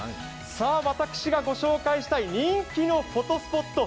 私がご紹介したい人気のフォトスポット。